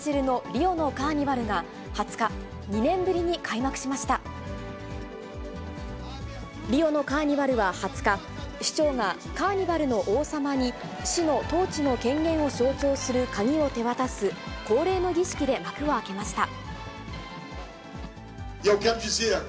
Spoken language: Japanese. リオのカーニバルは２０日、市長がカーニバルの王様に、市の統治の権限を象徴する鍵を手渡す、恒例の儀式で幕を開けました。